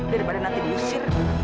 daripada nanti diusir